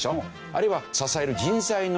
あるいは支える人材能力。